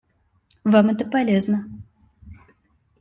Вам это полезно.